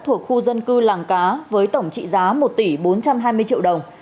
thuộc khu dân cư làng cá với tổng trị giá một tỷ bốn trăm hai mươi triệu đồng